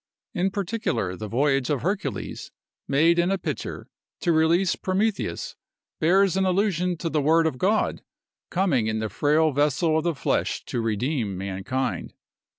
In particular, the voyage of Hercules, made in a pitcher, to release Prometheus, bears an allusion to the word of God, coming in the frail vessel of the flesh to redeem mankind.